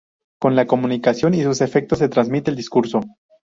Cómo la comunicación y sus efectos se transmiten en el discurso.